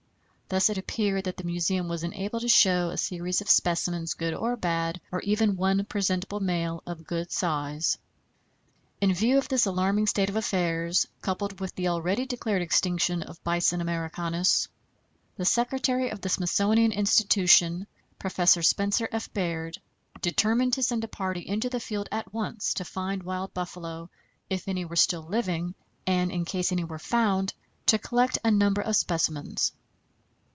Thus it appeared that the Museum was unable to show a series of specimens, good or bad, or even one presentable male of good size. In view of this alarming state of affairs, coupled with the already declared extinction of Bison americanus, the Secretary of the Smithsonian Institution, Prof. Spencer F. Baird, determined to send a party into the field at once to find wild buffalo, if any were still living, and in case any were found to collect a number of specimens.